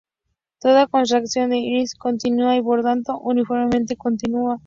Toda contracción es Lipschitz-continua y por tanto uniformemente continua.